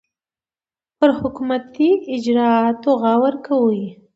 پر حکومتي اجرآتو غور کوي.